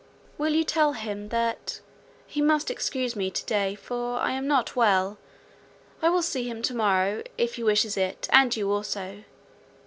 Will you tell him that he must excuse me to day, for I am not well. I will see him to morrow if he wishes it, and you also.